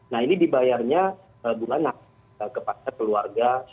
nah ini dibayarnya bung anak kepada keluarga